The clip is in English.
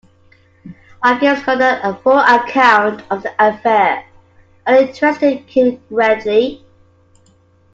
I gave Scudder a full account of the affair, and it interested him greatly.